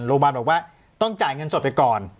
โรงพยาบาลบอกว่าต้องจ่ายเงินสดไปก่อน